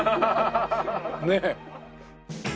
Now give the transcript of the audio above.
ねえ。